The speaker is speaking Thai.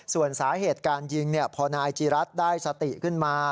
ส่วนสาเหตุการยิงพอนายจีรัฐได้สติขึ้นมา